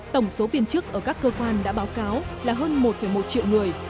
tổng số viên chức ở các cơ quan đã báo cáo là hơn một một triệu người